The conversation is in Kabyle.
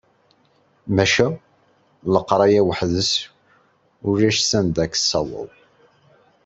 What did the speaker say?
Tqerrbem-d.